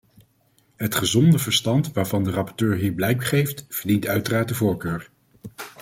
Het gezonde verstand waarvan de rapporteur hier blijkt geeft, verdient uiteraard de voorkeur.